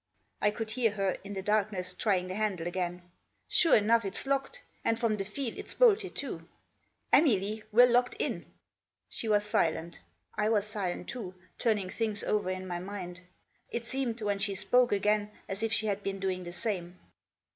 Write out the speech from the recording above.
I could hear her, in the darkness, trying the handle again. " Sure enough, it's locked; and, from the feel, it's bolted too. Emily, we're locked in." She was silent. I was silent, too, turning things over in my mind. It seemed, when she spoke again, as if she had been doing the same.